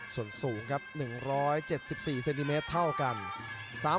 ส่วนสูงครับ๑๗๔เซนติเมตรเท่ากัน